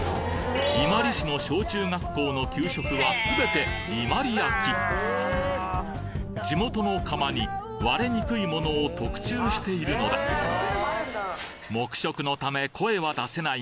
伊万里市の小中学校の給食は全て伊万里焼地元の窯に割れにくいものを特注しているのだ黙食のため声は出せないが